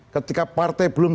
ketika partai belum